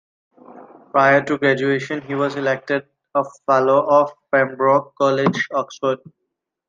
Prior to graduation he was elected a fellow of Pembroke College, Oxford.